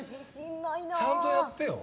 ちゃんとやってよ。